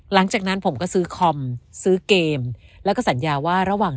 หลังจากนั้นผมก็ซื้อคอมซื้อเกมแล้วก็สัญญาว่าระหว่าง